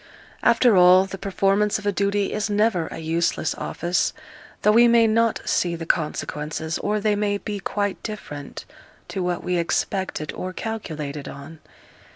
After all, the performance of a duty is never a useless office, though we may not see the consequences, or they may be quite different to what we expected or calculated on.